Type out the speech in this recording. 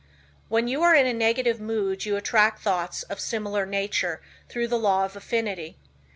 When you are in a negative mood you attract thoughts of similar nature through the law of affinity.